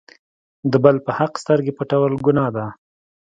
د بل په حق سترګې پټول ګناه ده.